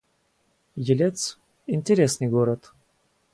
Елец — интересный город